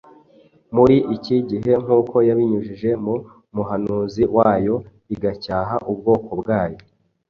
muri iki gihe nk’uko yabinyujije mu muhanuzi wayo igacyaha ubwoko bwayo